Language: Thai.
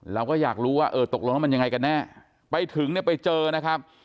เราก็อยากรู้ว่าเออตกลงแล้วมันยังไงกันแน่ไปถึงเนี่ยไปเจอนะครับ